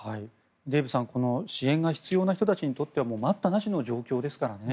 デーブさん支援が必要な人たちにとっては待ったなしの状況ですからね。